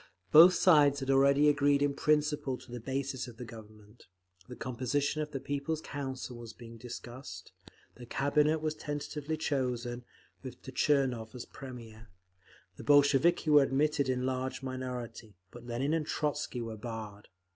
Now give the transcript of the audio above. Both sides had already agreed in principle to the basis of the Government; the composition of the People's Council was being discussed; the Cabinet was tentatively chosen, with Tchernov as Premier; the Bolsheviki were admitted in a large minority, but Lenin and Trotzky were barred.